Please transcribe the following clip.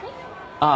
ああ。